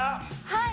はい。